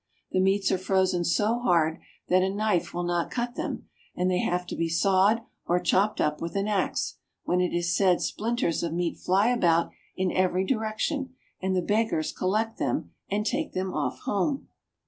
The meats are frozen so hard that a knife will not cut them, and they have to be sawed, or chopped up with an ax, when it is said splin ters of meat fly about in every direction, and the beggars collect them and take them off home.